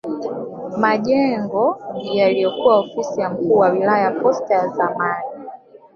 Majengo yaliyokuwa ofisi ya mkuu wa wilaya posta ya zamani